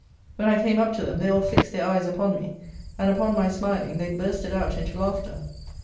When I came up to them, they all fixed their eyes upon me, and, upon my smiling, they bursted out into laughter.